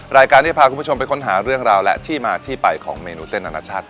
รายการที่พาคุณผู้ชมไปค้นหาเรื่องราวและที่มาที่ไปของเมนูเส้นอนาชาติ